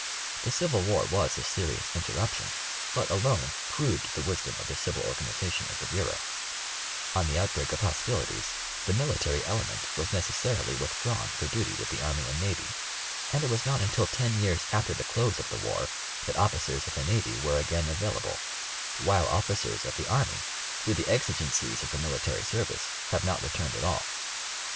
The Civil War was a serious interruption, but alone, proved the wisdom of the civil organization of the Bureau, On the outbreak of hostilities the military element was necessarily withdrawn for duty with the Army and Navy ; and it was not until ten years after the close of the war that officers of the Navy were again available, while officers of the Army, through the exigencies of the Military service, have not returned at all.